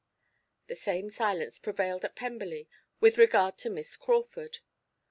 The same silence prevailed at Pemberley with regard to Miss Crawford.